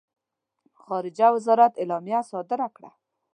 خارجه وزارت اعلامیه صادره کړه.